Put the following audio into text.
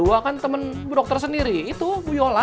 bahkan temen dokter sendiri itu bu yola